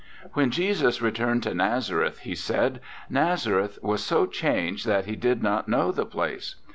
"When Jesus returned to Nazareth," he said, "Nazareth was so changed that he did not know the place.